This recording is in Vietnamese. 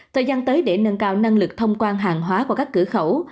thời gian tới để nâng cao năng lực thông quan hàng hóa qua các cửa khẩu